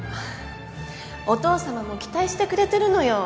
お父さまも期待してくれてるのよ。